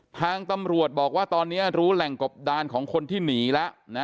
ทางตำรวจบอกว่าตอนนี้รู้แหล่งกบดานของคนที่หนีแล้วนะ